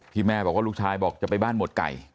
แม่บอกว่าลูกชายบอกจะไปบ้านหมวดไก่